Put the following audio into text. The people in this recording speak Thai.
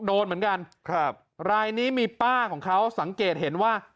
โดนเหมือนกันครับรายนี้มีป้าของเขาสังเกตเห็นว่า